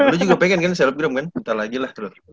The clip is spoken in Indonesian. lu juga pengen kan celeb gram kan ntar lagi lah